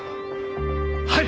はい！